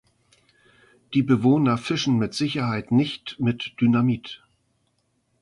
Die Bewohner fischen mit Sicherheit nicht mit Dynamit.